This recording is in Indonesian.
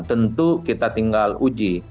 tentu kita tinggal uji